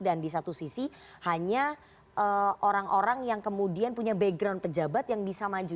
dan di satu sisi hanya orang orang yang kemudian punya background pejabat yang bisa maju